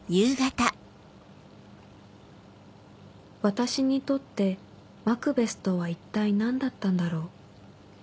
私にとってマクベスとは一体何だったんだろう